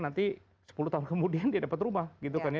nanti sepuluh tahun kemudian dia dapat rumah gitu kan ya